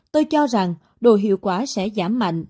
tôi cho rằng đồ hiệu quả sẽ giảm mạnh